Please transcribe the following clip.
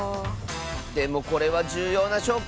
でもこれはじゅうようなしょうこ！